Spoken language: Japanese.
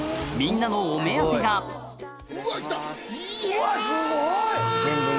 うわすごい！